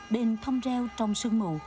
đên thông reo trong sương mù